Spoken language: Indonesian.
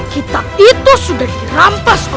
kitab itu sudah dirampas oleh niron